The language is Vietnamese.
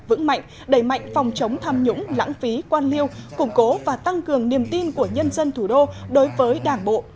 vững mạnh đẩy mạnh phòng chống tham nhũng lãng phí quan liêu củng cố và tăng cường niềm tin của nhân dân thủ đô đối với đảng bộ